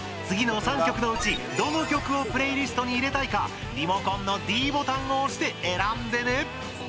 次の３曲のうちどの曲をプレイリストに入れたいかリモコンのｄボタンを押して選んでね！